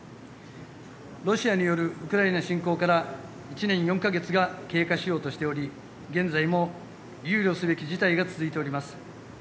ロシアによるウクライナ侵攻から１年４か月が経過しようとしており現在も憂慮すべき事態が続いております。